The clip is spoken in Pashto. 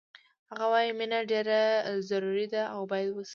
هغه وایی مینه ډېره ضروري ده او باید وشي